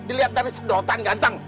diliat dari sedotan ganteng